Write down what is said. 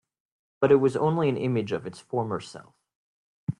But it was only an image of its former self.